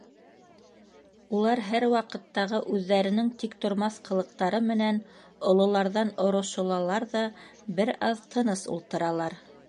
Улар һәр ваҡыттағы үҙҙәренең тиктормаҫ ҡылыҡтары менән ололарҙан орошолалар ҙа бер аҙ тыныс ултыралар.